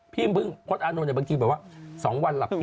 พี่พึ่งพลดอานนท์ในบางทีแบบว่า๒วันหลับที